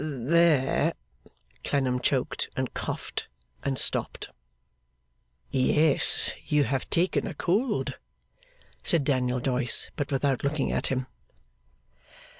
'There ' Clennam choked, and coughed, and stopped. 'Yes, you have taken cold,' said Daniel Doyce. But without looking at him.